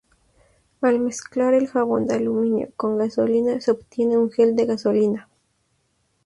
Al mezclar el jabón de aluminio con gasolina se obtiene un gel de gasolina.